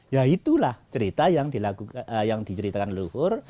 ya itulah cerita yang diceritakan leluhur